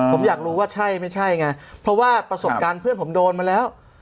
ผมอยากรู้ว่าใช่ไม่ใช่ไงเพราะว่าประสบการณ์เพื่อนผมโดนมาแล้ว